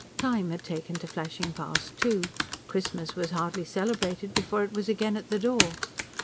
Time had taken to flashing past, too; Christmas was hardly celebrated before it was again at the door.